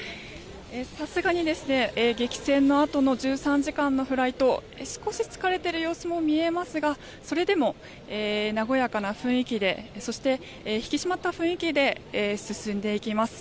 さすがに激戦のあとの１３時間のフライト少し疲れている様子も見えますがそれでも、和やかな雰囲気でそして、引き締まった雰囲気で進んでいきます。